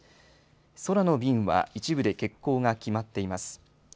空の便は一部で欠航が決まっています。